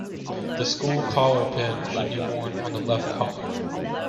The school collar pin should be worn on the left collar.